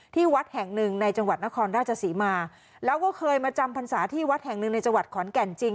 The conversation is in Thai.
ที่วัดแห่งหนึ่งในจังหวัดนครราชศรีมาแล้วก็เคยมาจำพรรษาที่วัดแห่งหนึ่งในจังหวัดขอนแก่นจริง